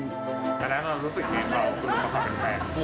แต่แล้วเรารู้สึกอย่างไรบอกว่าคุณลุงเขาเป็นแฟน